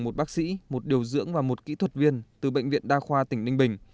một bác sĩ một điều dưỡng và một kỹ thuật viên từ bệnh viện đa khoa tỉnh ninh bình